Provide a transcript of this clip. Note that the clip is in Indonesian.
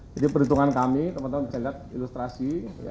jadi perhitungan kami teman teman bisa lihat ilustrasi